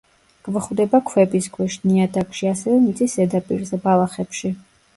გვხვდება ქვების ქვეშ, ნიადაგში, ასევე მიწის ზედაპირზე, ბალახებში.